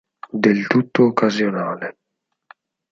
Del tutto occasionale.